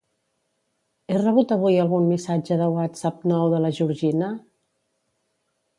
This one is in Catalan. He rebut avui algun missatge de Whatsapp nou de la Georgina?